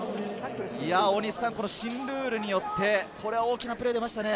新ルールによって大きなプレーが出ましたね。